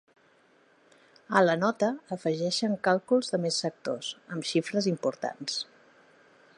A la nota afegeixen càlculs de més sectors, amb xifres importants.